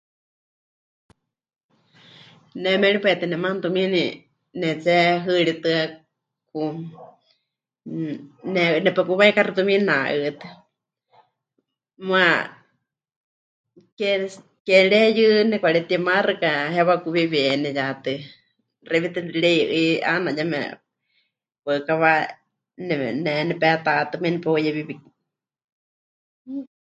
Ne méripai tɨ nemaama tumiini netsehɨritɨaku, mmm, ne... nepekuwaikaxɨ tumiini na'ɨtɨ, muuwa kes.. ke mɨreyɨ nepɨkaretimá xɨka hewakuwiwieni ya tɨ xewítɨ pɨrei'ɨi, 'aana yeme waɨkawa ne, ne nepetatɨmai, nepeuyewiwi.